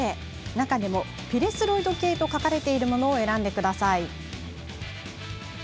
中でも、ピレスロイド系と書かれているものを選んでください。